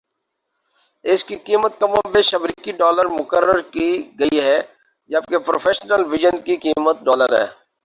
اسکی قیمت کم و بیش امریکی ڈالر مقرر کی گئ ہے جبکہ پروفیشنل ورژن کی قیمت ڈالر ہے